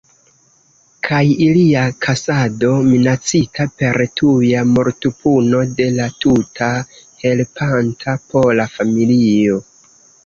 Kaj ilia kaŝado minacita per tuja mortpuno de la tuta helpanta pola familio.